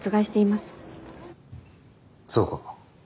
そうか。